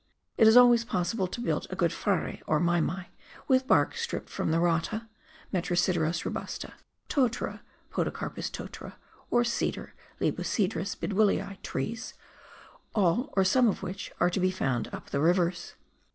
It is always possible to build a good "whare " or " mai mai " with bark stripped from the rata {Metrosideros Q rohusta), totdiT2i {Padocarpus totara), or cedar (Libocedrus Bid ^ willii) trees, all or some of which are to be found up the rivers.